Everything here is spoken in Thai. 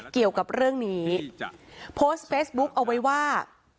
เกี่ยวกับเรื่องนี้โพสต์เฟซบุ๊คเอาไว้ว่า